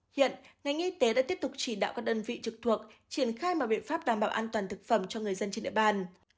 hiện ngành y tế đã tiếp tục chỉ đạo các đơn vị trực thuộc triển khai mọi biện pháp đảm bảo an toàn thực phẩm cho người dân trên địa bàn